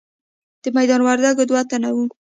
د میدان وردګو دوه تنه وو.